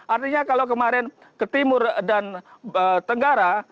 artinya kalau kemarin ke timur dan tenggara